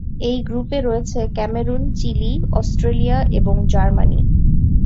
এই গ্রুপে রয়েছে ক্যামেরুন, চিলি, অস্ট্রেলিয়া এবং জার্মানি।